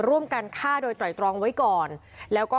ร่วมกันฆ่าโดยไตรตรองไว้ก่อนแล้วก็